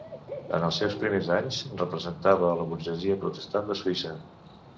En els seus primers anys representava a la burgesia protestant de Suïssa.